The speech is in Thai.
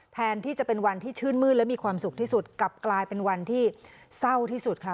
แทนที่จะเป็นวันที่ชื่นมืดและมีความสุขที่สุดกลับกลายเป็นวันที่เศร้าที่สุดค่ะ